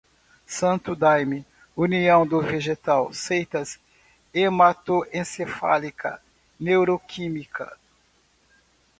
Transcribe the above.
santo daime, união do vegetal, seitas, hematoencefálica, neuroquímica